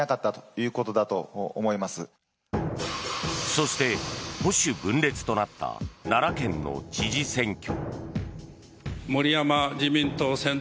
そして、保守分裂となった奈良県の知事選挙。